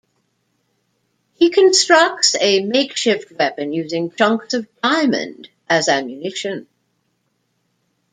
He constructs a makeshift weapon, using chunks of diamond as ammunition.